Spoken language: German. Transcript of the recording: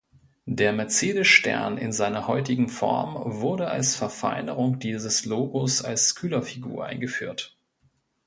Der Mercedes-Stern in seiner heutigen Form wurde als Verfeinerung dieses Logos als Kühlerfigur eingeführt.